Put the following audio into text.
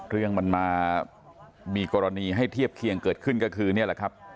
เรื่องมันมามีกรณีให้เทียบเคียงเกิดขึ้นก็คือนี่แหละครับ